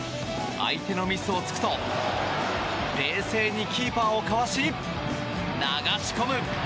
相手のミスを突くと冷静にキーパーをかわし流し込む！